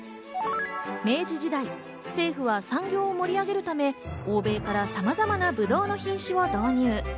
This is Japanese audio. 明治時代、政府は産業を盛り上げるため、欧米からさまざまなぶどうの品種を導入。